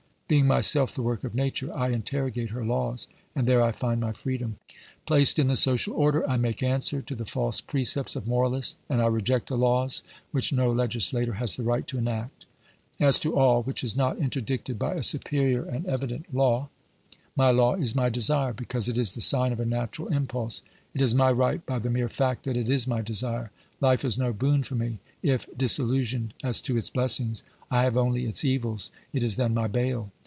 Being myself the work of Nature, I interrogate her laws, and there I find my freedom. Placed in the social order, I make answer to the false precepts of moralists, and I reject the laws which no legislator has the right to enact. As to all which is not interdicted by a superior and evident law, my law is my desire, because it is the sign of a natural impulse ; it is my right by the mere fact that it is my desire. Life is no boon for me if, disillusionised as to its blessings, I have only its evils ; it is then my bale.